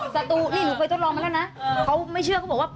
สตูนี่หนูเคยทดลองมาแล้วนะเขาไม่เชื่อเขาบอกว่า